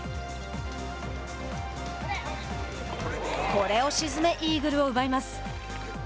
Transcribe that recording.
これを沈めイーグルを奪います。